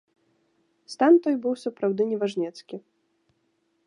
Стан той быў сапраўды неважнецкі.